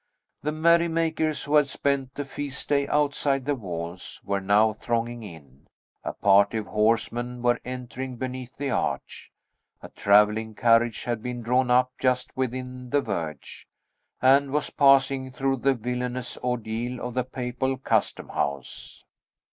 The merry makers, who had spent the feast day outside the walls, were now thronging in; a party of horsemen were entering beneath the arch; a travelling carriage had been drawn up just within the verge, and was passing through the villainous ordeal of the papal custom house.